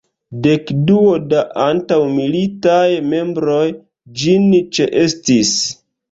Dekduo da antaŭmilitaj membroj ĝin ĉeestis.